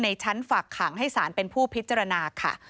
ชั้นฝากขังให้สารเป็นผู้พิจารณาค่ะ